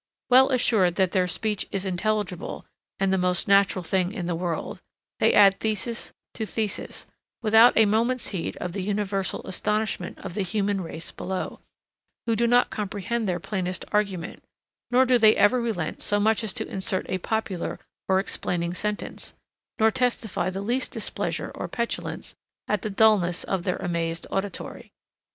Well assured that their speech is intelligible and the most natural thing in the world, they add thesis to thesis, without a moment's heed of the universal astonishment of the human race below, who do not comprehend their plainest argument; nor do they ever relent so much as to insert a popular or explaining sentence, nor testify the least displeasure or petulance at the dulness of their amazed auditory.